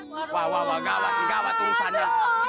wah wah gawat gawat urusannya